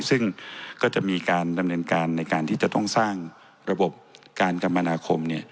ซึ่งก็จะมีการดำเนินการในการที่จะต้องสร้างระบบการกรรมนาคม